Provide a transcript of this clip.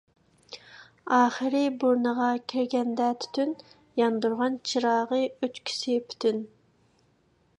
ئاخىرى بۇرنىغا كىرگەندە تۈتۈن، ياندۇرغان چىراغى ئۆچكۈسى پۈتۈن.